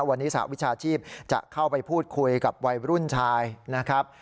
วันนี้สหวิชาชีพจะเข้าไปพูดคุยกับวัยรุ่นชายนะครับ